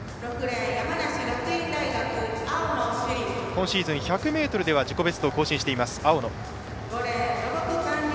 今シーズン、１００ｍでは自己ベスト更新している、青野。